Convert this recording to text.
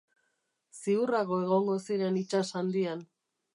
Ziurrago egongo ziren itsas handian.